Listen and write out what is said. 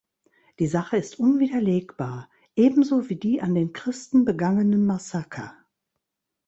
Die Sache ist unwiderlegbar, ebenso wie die an den Christen begangenen Massaker.